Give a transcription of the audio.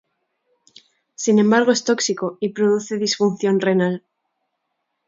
Sin embargo es tóxico y produce disfunción renal.